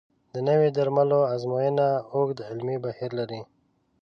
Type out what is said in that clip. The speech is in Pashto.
د نوي درملو ازموینه اوږد علمي بهیر لري.